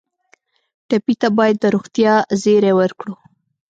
ټپي ته باید د روغتیا زېری ورکړو.